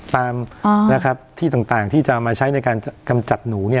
ตามที่ต่างที่จะมาใช้ในการกำจัดหนู